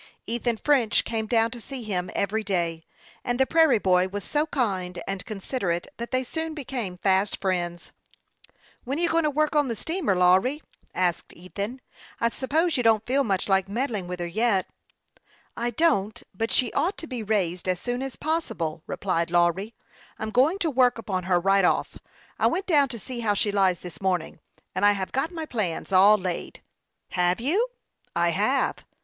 Ethan French came down to see him every day, and the prairie boy was so kind and considerate that they soon became fa "t friends. 9* 102 HASTE AND WASTE, OK " When are you going to work on the steamer, Lawry ?" asked Ethan, two or three days after the arrest of the ferryman. " I suppose you don't feel much like meddling with her yet." " I don't ; but she ought to be raised as soon as possible," replied Lawry. " I am going to work upon her right off. I went down to see how she lies this morning, and I have got my plans all laid." " Have you ?"" I have."